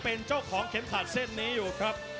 เป็นเจ้าของเข็มขัดเส้นนี้อยู่ครับ